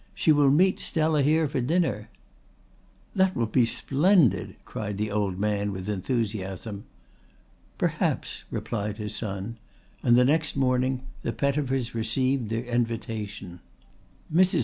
"She will meet Stella here at dinner." "That will be splendid," cried the old man with enthusiasm. "Perhaps," replied his son; and the next morning the Pettifers received their invitation. Mrs.